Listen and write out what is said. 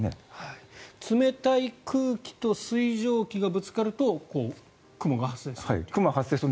冷たい空気と水蒸気がぶつかると、雲が発生すると。